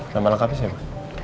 nama lengkapnya siapa